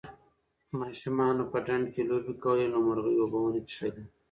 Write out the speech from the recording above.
ماشومانو په ډنډ کې لوبې کولې نو مرغۍ اوبه ونه څښلې.